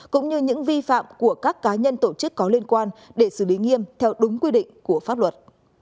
cũng như những vi phạm của các cá nhân tổ chức có liên quan để xử lý nghiêm theo đúng quy định của pháp luật